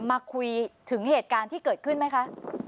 มาคุยถึงเหตุการณ์ที่เกิดขึ้นไหมคะ